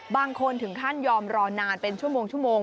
บางคนถึงขั้นยอมรอนานเป็นชั่วโมง